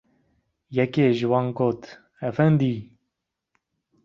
Yekê ji wan got: Efendî!